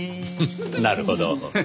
なるほど。